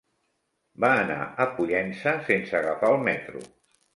Va anar a Pollença sense agafar el metro.